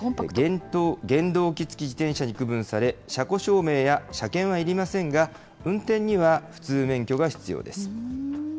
原動機付自転車に区分され、車庫証明や車検はいりませんが、運転には普通免許が必要です。